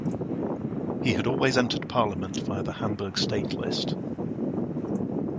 He had always entered parliament via the Hamburg state list.